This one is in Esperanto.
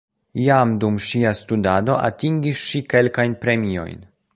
Jam dum ŝia studado atingis ŝi kelkajn premiojn.